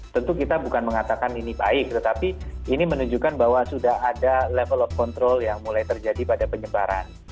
tentu kita bukan mengatakan ini baik tetapi ini menunjukkan bahwa sudah ada level of control yang mulai terjadi pada penyebaran